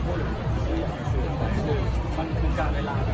คือจำได้ว่าบอกว่าเป็นภรรยาบ้านะ